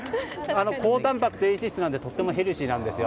高タンパク、低糖質なのでとてもヘルシーなんですよ。